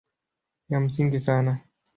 Ya msingi sana